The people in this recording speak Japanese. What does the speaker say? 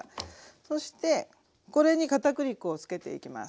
そしてこれに片栗粉をつけていきます。